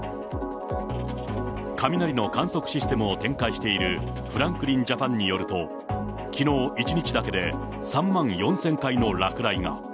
雷の観測システムを展開しているフランクリンジャパンによると、きのう一日だけで３万４０００回の落雷が。